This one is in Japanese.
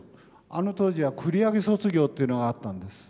あの当時は繰り上げ卒業っていうのがあったんです。